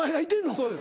そうです。